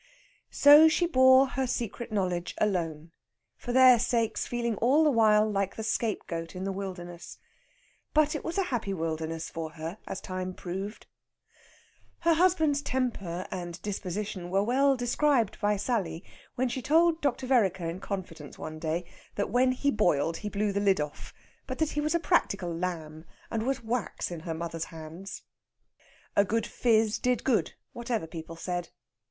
So she bore her secret knowledge alone, for their sakes feeling all the while like the scapegoat in the wilderness. But it was a happy wilderness for her, as time proved. Her husband's temper and disposition were well described by Sally, when she told Dr. Vereker in confidence one day that when he boiled he blew the lid off, but that he was a practical lamb, and was wax in her mother's hands. A good fizz did good, whatever people said.